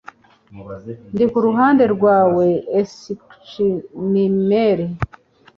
Ndi ku ruhande rwawe oschwimmer